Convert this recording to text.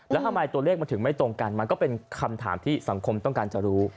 แล้วทำไมตัวเลขมันถึงไม่ตรงกันมันก็เป็นคำถามที่สังคมต้องการจะรู้